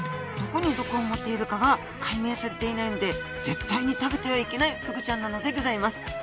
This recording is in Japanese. どこに毒を持っているかが解明されていないので絶対に食べてはいけないフグちゃんなのでギョざいます。